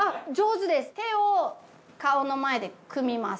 手を顔の前で組みます。